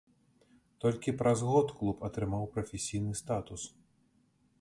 Толькі праз год клуб атрымаў прафесійны статус.